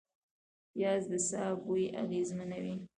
پیاز د ساه بوی اغېزمنوي